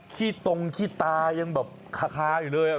ขี้ต้งขี้ตายังคาอยู่เลย